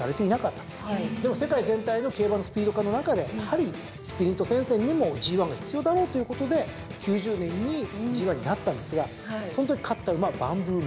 でも世界全体の競馬のスピード化の中でやはりスプリント戦線にもＧⅠが必要だろうということで９０年にＧⅠになったんですがそのとき勝った馬がバンブーメモリー。